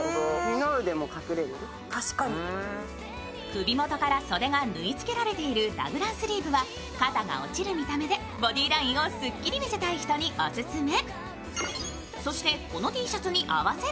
首元から袖が縫いつけられているラグランスリーブは肩が落ちる見た目でボディーラインをスッキリ見せたい人にオススメ。